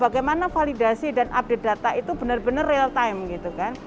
bagaimana validasi dan update data itu benar benar real time gitu kan